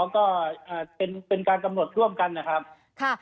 ก็เป็นการกำหนดร่วมกันนะครับ